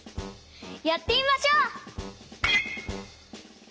やってみましょう！